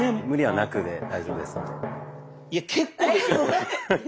無理はなくで。